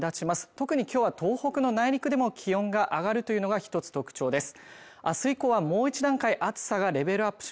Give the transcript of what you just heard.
特に今日は東北の内陸でも気温が上がるというのが１つ特徴です